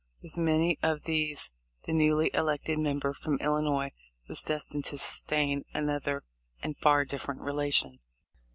With many of these the newly elected member from Illinois was destined to sustain another, and far different relation.